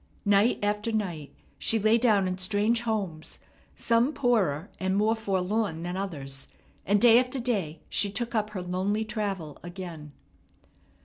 Night after night she lay down in strange homes, some poorer and more forlorn than others; and day after day she took up her lonely travel again.